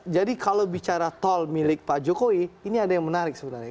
jadi kalau bicara tol milik pak jokowi ini ada yang menarik sebenarnya